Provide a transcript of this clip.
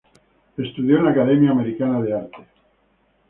Estudió en la Academia Americana de Arte.